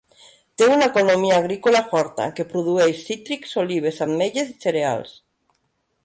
Té una economia agrícola forta, que produeix cítrics, olives, ametlles i cereals.